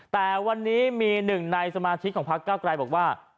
แต่วันนี้มีหนึ่งในสมาชิกของพักเก้าไกลบอกว่า